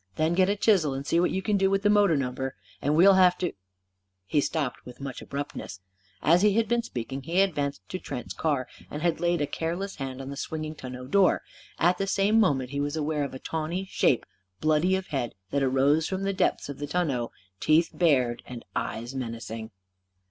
"Then get a chisel and see what you can do with the motor number. And we'll have to " He stopped with much abruptness. As he had been speaking he had advanced to Trent's car and had laid a careless hand on the swinging tonneau door. At the same moment he was aware of a tawny shape, bloody of head, that arose from the depths of the tonneau; teeth bared and eyes menacing.